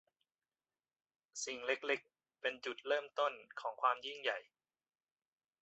สิ่งเล็ก ๆ เป็นจุดเริ่มต้นของความยิ่งใหญ่